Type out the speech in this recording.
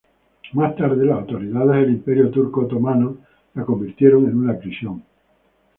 Más tarde, las autoridades del Imperio Turco Otomano la convirtieron en una prisión.